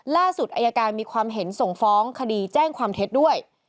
อายการมีความเห็นส่งฟ้องคดีแจ้งความเท็จด้วย